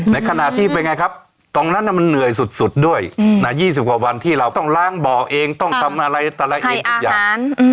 ในขณะที่เป็นไงครับตรงนั้นมันเหนื่อยสุดด้วย๒๐กว่าวันที่เราต้องล้างบ่อเองต้องทำอะไรอะไรเองทุกอย่าง